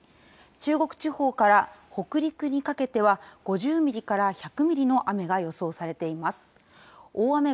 中国地方から北陸にかけては５０ミリから１００ミリの雨が予想されています。